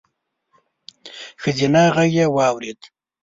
ښځينه غږ يې واورېد: